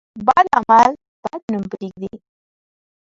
بد عمل بد نوم پرېږدي.